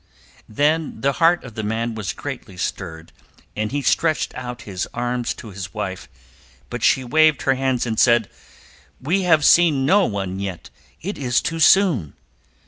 Then the heart of the man was greatly stirred and he stretched out his arms to his wife, but she waved her hands and said: "We have seen no one yet. It is too soon."